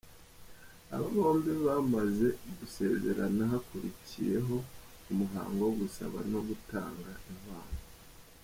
Aba bombi bamaze gusezerana hakurikiyeho umuhango wo gusaba no gutanga inkwano.